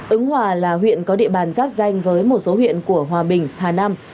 ứng hòa là huyện có địa bàn giáp danh với một số huyện của hòa bình hà nam